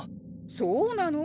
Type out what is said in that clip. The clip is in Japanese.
そうなの？